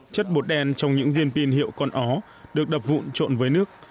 chất bột đen trong những viên pin hiệu con ó được đập vụn trộn với nước